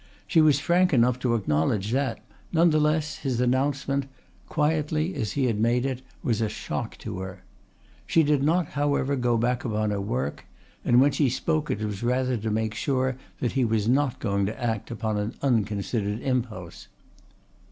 She was frank enough to acknowledge that. None the less his announcement, quietly as he had made it, was a shock to her. She did not, however, go back upon her work; and when she spoke it was rather to make sure that he was not going to act upon an unconsidered impulse.